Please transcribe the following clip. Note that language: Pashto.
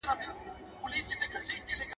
• تېغ په جوهر خورک کوي.